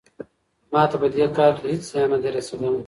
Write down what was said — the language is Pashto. ما ته په دې کار کې هیڅ زیان نه دی رسیدلی.